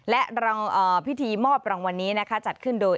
และพิธีมอบรางวัลนี้นะคะจัดขึ้นโดย